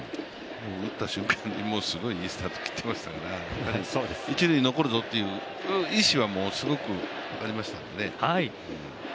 打った瞬間にすごいいいスタート切ってましたから一塁残るぞという意思はすごくありましたので。